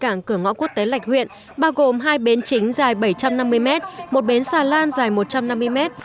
cảng cửa ngõ quốc tế lạch huyện bao gồm hai bến chính dài bảy trăm năm mươi mét một bến xà lan dài một trăm năm mươi mét